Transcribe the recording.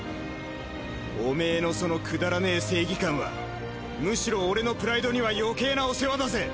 オメエのそのくだらねえ正義感はむしろ俺のプライドには余計なお世話だぜ。